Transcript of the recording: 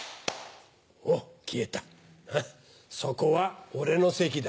おっ消えたそこは俺の席だ。